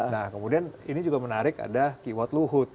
nah kemudian ini juga menarik ada keyword luhut